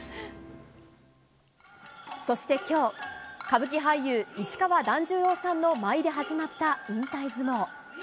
そしてきょう、歌舞伎俳優、市川團十郎さんの舞で始まった引退相撲。